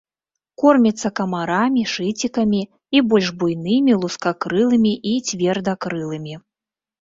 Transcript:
Корміцца камарамі, шыцікамі і больш буйнымі лускакрылымі і цвердакрылымі.